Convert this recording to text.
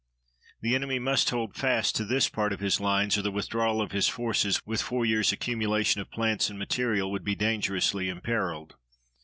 The enemy must hold fast to this part of his lines, or the withdrawal of his forces, with four years' accumulation of plants and material, would be dangerously imperiled.